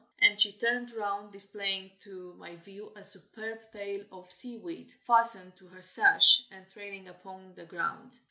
And she turned round, displaying to my view a superb tail of seaweed, fastened to her sash, and trailing upon the ground.